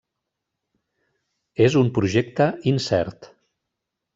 És un projecte incert.